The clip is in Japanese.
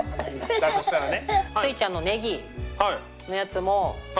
だとしたらね。